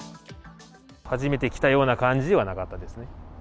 初めて来たような感じではなかったですね。